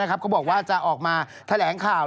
เขาบอกว่าจะออกมาแถลงข่าว